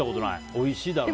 おいしいだろうね。